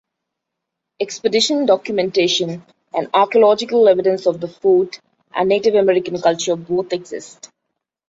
Expedition documentation and archaeological evidence of the fort and Native American culture both exist.